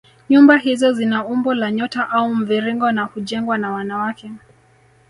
Nyumba hizo zina umbo la nyota au mviringo na hujengwa na wanawake